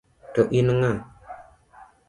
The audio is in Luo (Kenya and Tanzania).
To in ng'a?